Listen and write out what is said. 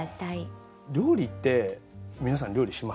料理って皆さん料理します？